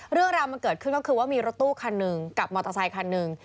เรื่องราวมันเกิดขึ้นก็คือว่ามีรถตู้คันหนึ่งกับมอเตอร์ไซคันหนึ่ง